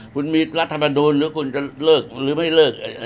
คุณมีรัฐมนูลหรือคุณจะเลิกหรือไม่เลิก